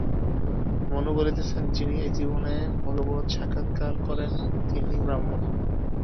মনু বলিতেছেন, যিনি এই জীবনেই ভগবৎ-সাক্ষাৎকার করেন, তিনিই ব্রাহ্মণ।